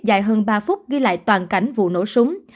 dài hơn ba phút ghi lại toàn cảnh vụ nổ súng